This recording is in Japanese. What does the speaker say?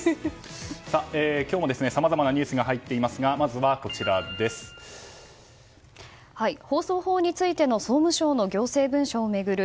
今日もさまざまなニュースが入ってきていますが放送法についての総務省の行政文書を巡る